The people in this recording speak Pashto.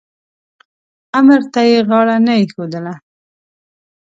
امر ته یې غاړه نه ایښودله.